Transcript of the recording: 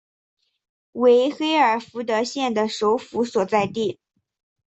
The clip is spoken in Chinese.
为黑尔福德县的首府所在地。